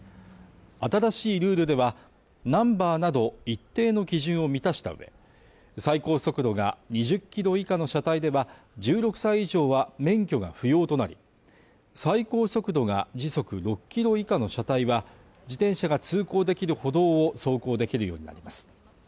新しいルールではナンバーなど一定の基準を満たした上、最高速度が２０キロ以下の車体では、１６歳以上は免許が不要となり、最高速度が時速６キロ以下の車体は、自転車が通行できる歩道を走行できるようになります。